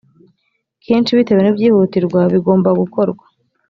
kenshi bitewe n ibyihutirwa bigomba gukorwa